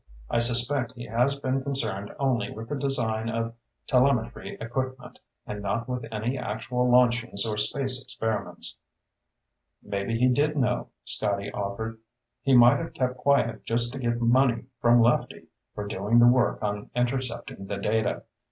I suspect he has been concerned only with the design of telemetry equipment and not with any actual launchings or space experiments." "Maybe he did know," Scotty offered. "He might have kept quiet just to get money from Lefty for doing the work on intercepting the data.